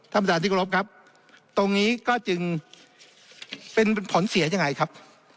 ท่านประธานที่กรบครับตรงนี้ก็จึงเป็นผลเสียยังไงครับ